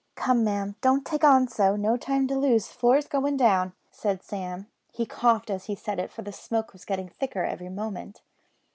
"Come, ma'am, don't take on so; no time to lose; floor's goin' down!" said Sam. He coughed as he said it, for the smoke was getting thicker every moment.